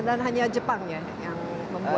dan hanya jepang yang membuat